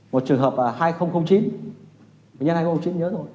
một trường hợp hai nghìn chín mình nhận hai nghìn chín nhớ rồi